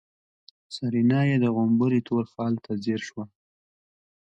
سېرېنا يې د غومبري تور خال ته ځير شوه.